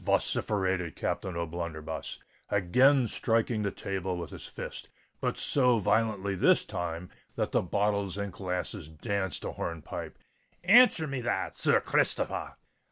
vociferated Captain O'Blunderbuss, again striking the table with his fist, but so violently this time that the bottles and glasses danced a hornpipe: "answer me that, Sir r Christopher r!"